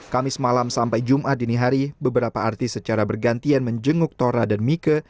kamis malam sampai jumat dini hari beberapa artis secara bergantian menjenguk tora dan mika